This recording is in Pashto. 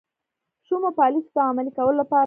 شومو پالیسیو د عملي کولو لپاره.